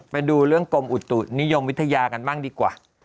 ไปดูเรื่องกรมอุตุนิยมวิทยากันบ้างดีกว่า